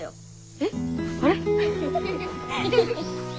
えっあれ？